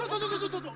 ちょっと！